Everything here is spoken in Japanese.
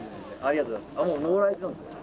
もう登られたんですか？